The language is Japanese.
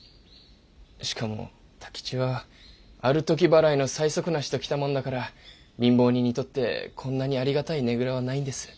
しかも太吉は有る時払いの催促なしときたもんだから貧乏人にとってこんなにありがたいねぐらはないんです。